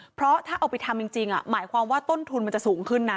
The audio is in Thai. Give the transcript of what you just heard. เพราะถ้าเอาไปทำจริงหมายความว่าต้นทุนมันจะสูงขึ้นนะ